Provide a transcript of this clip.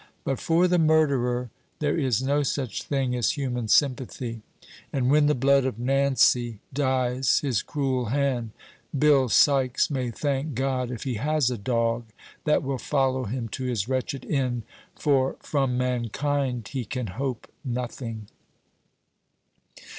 But for the murderer there is no such thing as human sympathy; and, when the blood of Nancy dyes his cruel hand, Bill Sykes may thank God if he has a dog that will follow him to his wretched end, for from mankind he can hope nothing.